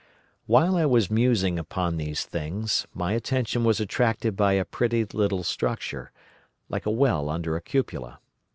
"While I was musing upon these things, my attention was attracted by a pretty little structure, like a well under a cupola.